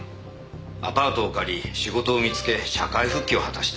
アパートを借り仕事を見つけ社会復帰を果たした。